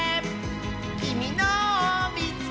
「きみのをみつけた！」